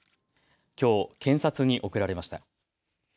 きょう、検察に送られました。